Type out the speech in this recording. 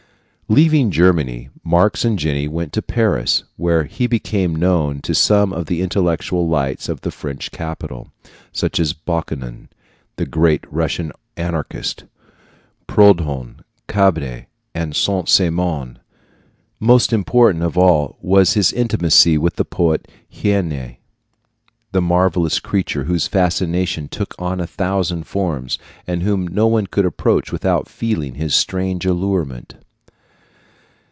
Leaving Germany, Marx and Jenny went to Paris, where he became known to some of the intellectual lights of the French capital, such as Bakunin, the great Russian anarchist, Proudhon, Cabet, and Saint Simon. Most important of all was his intimacy with the poet Heine, that marvelous creature whose fascination took on a thousand forms, and whom no one could approach without feeling his strange allurement.